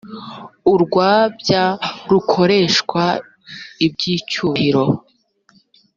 urwabya rukoreshwa iby’icyubahiro.